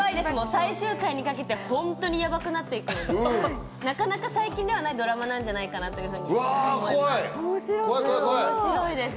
最終回にかけて本当にヤバくなっていくので、なかなか最近ではないドラマなんじゃないかと思います。